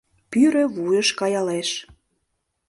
Пӱрӧ вуйыш каялеш: